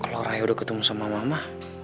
kalau rahya udah ketemu sama mama